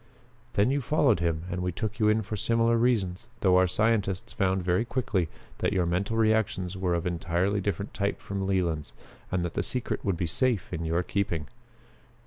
"Then you followed him and we took you in for similar reasons, though our scientists found very quickly that your mental reactions were of entirely different type from Leland's and that the secret would be safe in your keeping.